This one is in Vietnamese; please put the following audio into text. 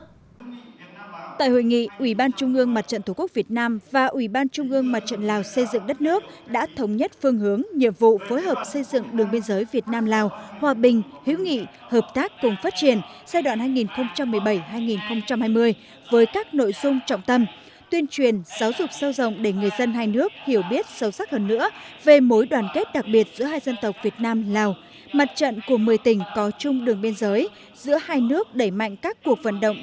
dự buổi lễ có các đồng chí trần thanh mẫn ủy viên trung ương đảng chủ tịch ủy ban trung ương mặt trận tổ quốc việt nam và ủy ban trung ương mặt trận lào xây dựng đất nước đã thống nhất phương hướng nhiệm vụ phối hợp xây dựng đường biên giới việt nam lào hòa bình hữu nghị hợp tác cùng phát triển giai đoạn hai nghìn một mươi bảy hai nghìn hai mươi với các nội dung trọng tâm tuyên truyền giáo dục sâu rộng để người dân hai nước hiểu biết sâu sắc hơn nữa về mối đoàn kết đặc biệt giữa hai dân tộc việt nam lào mặt trận của một mươi tỉnh có chung đường